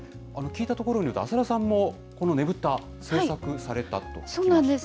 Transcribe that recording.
聞いたところによると、浅田さんもこのねぶた、制作されたと聞きそうなんです。